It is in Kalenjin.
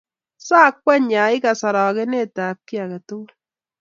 Saa kwekeny ya ikas orokenetab kiy age tugul